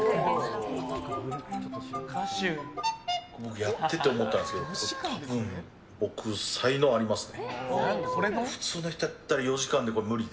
やってて思ったんですけど多分、僕、才能ありますね。